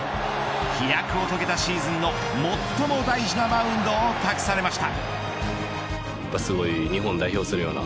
飛躍を遂げたシーズンの最も大事なマウンドを託されました。